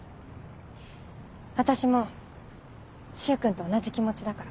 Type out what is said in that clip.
私も柊君と同じ気持ちだから。